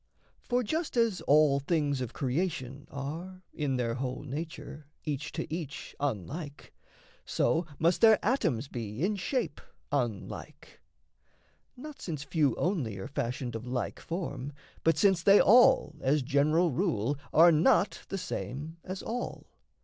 For just as all things of creation are, In their whole nature, each to each unlike, So must their atoms be in shape unlike Not since few only are fashioned of like form, But since they all, as general rule, are not The same as all.